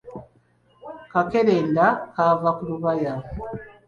Kakerenda kava ku lubaya.